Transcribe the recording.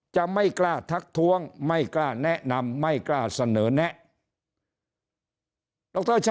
จะไม่กล้าทักท้วงไม่กล้าแนะนำไม่กล้าเสนอแนะ